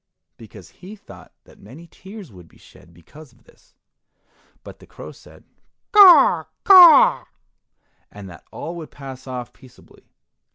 because he thought that many tears would be shed because of this; but the crow said, "Caw, caw," and that all would pass off peaceably.